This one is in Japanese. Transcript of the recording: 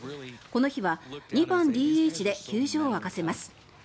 この日は２番ＤＨで球場を沸かせます。